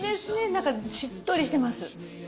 なんかしっとりしてます。